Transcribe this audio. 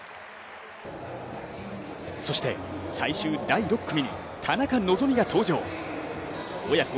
そして最終第６組に田中希実が登場親子